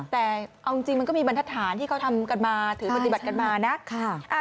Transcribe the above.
แต่เอาจริงมันก็มีบรรทฐานที่เขาทำกันมาถือปฏิบัติกันมานะ